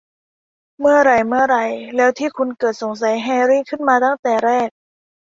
เมื่อไหร่ เมื่อไหร่แล้วที่คุณเกิดสงสัยแฮรรี่ขึ้นมาตั้งแต่แรก ?